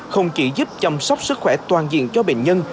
không chỉ giúp chăm sóc sức khỏe toàn diện cho bệnh nhân